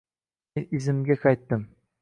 Men izimga qaytdim.